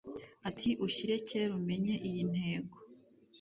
Ati "ushyire kera umenye iyi ntego